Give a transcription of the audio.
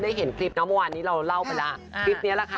เห็นคลิปนะเมื่อวานนี้เราเล่าไปแล้วคลิปนี้แหละค่ะ